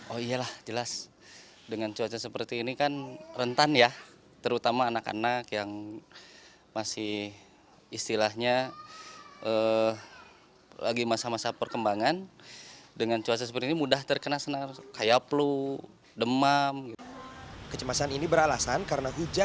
kecemasan ini beralasan karena hujan yang lalu berlalu